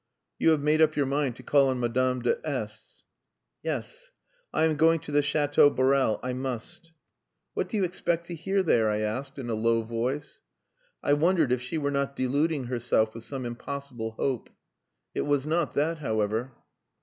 "You have made up your mind to call on Madame de S ." "Yes. I am going to the Chateau Borel. I must." "What do you expect to hear there?" I asked, in a low voice. I wondered if she were not deluding herself with some impossible hope. It was not that, however.